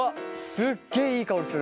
すっげえいい香りする！